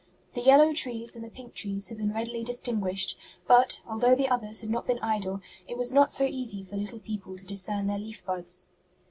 The yellow trees and the pink trees had been readily distinguished, but, although the others had not been idle, it was not so easy for little people to discern their leaf buds.